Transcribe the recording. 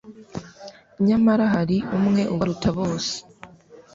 Nyamara hari umwe ubaruta bose.